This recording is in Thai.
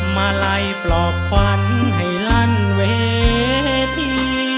มาไล่ปลอบขวัญให้ลั่นเวที